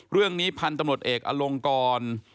เรื่องนี้พันธุ์ตำรวจเอกอลงกร